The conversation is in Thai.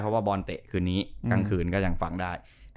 เพราะว่าบอลเตะคืนนี้กลางคืนก็ยังฟังได้